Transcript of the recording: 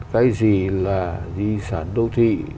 cái gì là di sản đô thị